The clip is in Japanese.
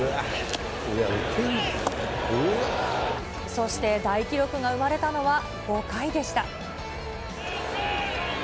そして大記録が生まれたのは５回でした。